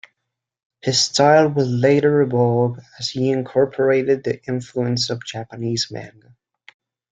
His style would later evolve as he incorporated the influence of Japanese manga.